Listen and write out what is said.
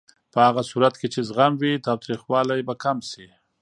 په هغه صورت کې چې زغم وي، تاوتریخوالی به کم شي.